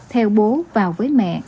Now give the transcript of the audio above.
theo bố vào với mẹ